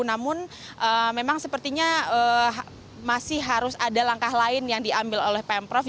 namun memang sepertinya masih harus ada langkah lain yang diambil oleh pemprov